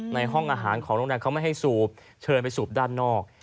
ในห้องอาหารของโรงแรมเขาไม่ให้สูบเชิญไปสูบด้านนอก